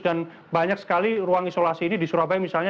dan banyak sekali ruang isolasi ini di surabaya misalnya